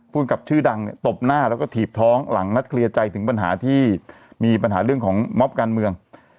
ภูมิกับชื่อดังเนี่ยตบหน้าแล้วก็ถีบท้องหลังนัดเคลียร์ใจถึงปัญหาที่มีปัญหาเรื่องของมอบการเมือง